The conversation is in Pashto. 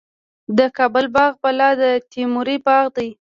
د کابل باغ بالا د تیموري باغ دی